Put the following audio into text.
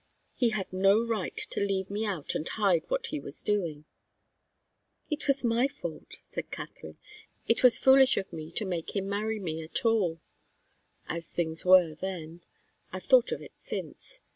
He had no right to leave me out and hide what he was doing." "It was my fault," said Katharine. "It was foolish of me to make him marry me at all, as things were then. I've thought of it since.